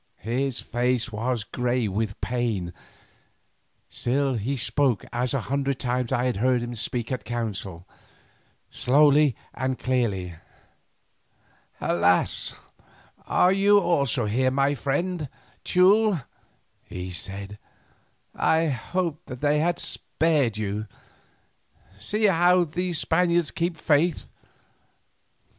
His face was grey with pain, still he spoke as a hundred times I had heard him speak at council, slowly and clearly. "Alas! are you also here, my friend Teule?" he said; "I hoped that they had spared you. See how these Spaniards keep faith.